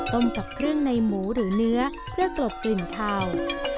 ต้มกับเครื่องในหมูหรือเนื้อเพื่อกลบกลิ่นขาว